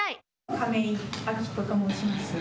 亀井彰子と申します。